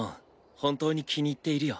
本当に気に入っているよ。